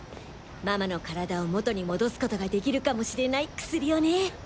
ママの体を元に戻す事が出来るかもしれない薬をね！